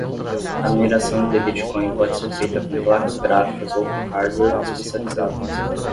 A mineração de Bitcoin pode ser feita com placas gráficas ou com hardware especializado.